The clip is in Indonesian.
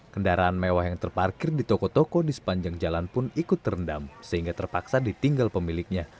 kendaraan mewah yang terparkir di toko toko di sepanjang jalan pun ikut terendam sehingga terpaksa ditinggal pemiliknya